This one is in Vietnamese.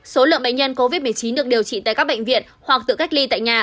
số lượng bệnh nhân covid một mươi chín được điều trị tại các bệnh viện hoặc tự cách ly tại nhà